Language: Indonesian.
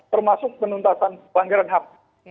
termasuk penuntasan panggilan ham